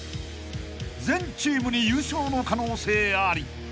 ［全チームに優勝の可能性あり］